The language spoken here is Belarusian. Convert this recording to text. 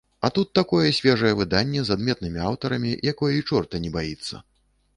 А тут такое свежае выданне з адметнымі аўтарамі, якое і чорта не баіцца.